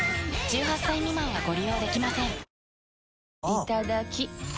いただきっ！